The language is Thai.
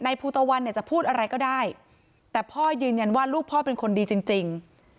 ภูตะวันเนี่ยจะพูดอะไรก็ได้แต่พ่อยืนยันว่าลูกพ่อเป็นคนดีจริง